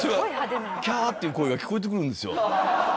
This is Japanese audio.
「キャーッ！」っていう声が聞こえてくるんですよ。